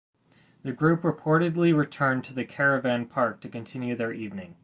The group reportedly returned to the caravan park to continue their evening.